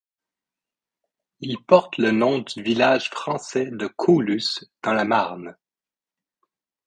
Il porte le nom du village français de Coolus, dans la Marne.